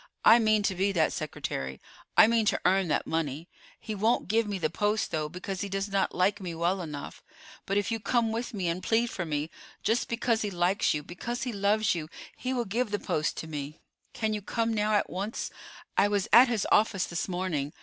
I mean to be that secretary: I mean to earn that money. He won't give me the post, though, because he does not like me well enough; but if you come with me and plead for me, just because he likes you, because he loves you, he will give the post to me. Can you come now, at once? I was at his office this morning.